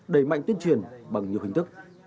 đầy mạnh tuyên truyền bằng nhiều hình thức